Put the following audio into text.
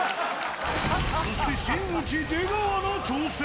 そして真打ち、出川の挑戦。